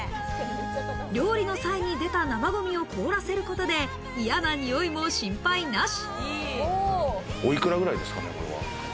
料理の際に出た生ごみを凍らせることで嫌なにおいも心配なし。